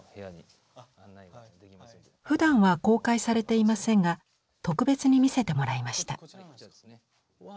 ふだんは公開されていませんが特別に見せてもらいました。